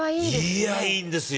いやいいんですよ。